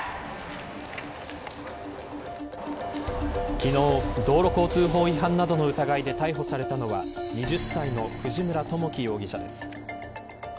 昨日、道路交通法違反などの疑いで逮捕されたのは２０歳の藤村知樹容疑者です。